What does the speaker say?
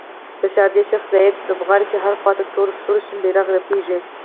د شارجې شیخ ذاید لوبغالي کې هرې خواته تور، سور او شین بیرغ رپیږي